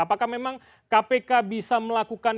apakah memang kpk bisa melakukan